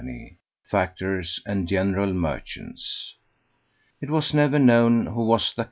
factors and general merchants. It was never known who was the Co.